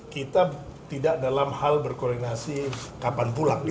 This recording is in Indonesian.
kita tidak dalam hal berkoordinasi kapan pulang